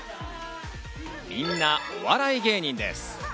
みんな、お笑い芸人です。